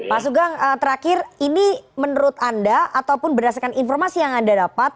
pak sugeng terakhir ini menurut anda ataupun berdasarkan informasi yang anda dapat